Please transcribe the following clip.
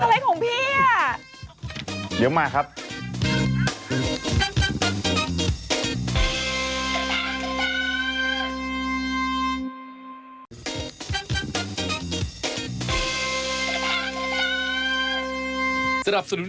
อะไรของพี่น่ะ